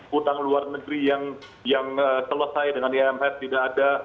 hutang luar negeri yang selesai dengan imf tidak ada